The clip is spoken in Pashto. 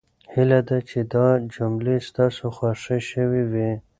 هیله ده چې دا جملې ستاسو خوښې شوې وي.